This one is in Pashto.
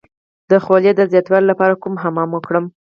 د خولې د زیاتوالي لپاره کوم حمام وکړم؟